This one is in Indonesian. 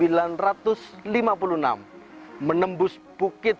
itu adalah kondisi yang lebih kuat